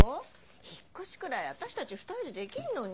引っ越しくらい私たち２人でできるのに。